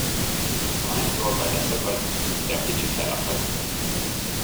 A nagy tolvaj leszakad, de a kicsi felakad.